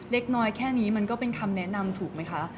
เล็กน้อยแค่นี้มันก็เป็นคำแนะนำถูกไหมคะ